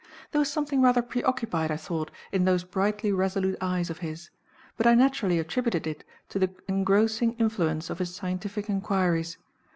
There was something rather preoccupied, I thought, in those brightly resolute eyes of his; but I naturally attributed it to the engrossing influence of his scientific inquiries.